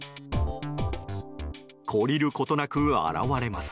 懲りることなく現れます。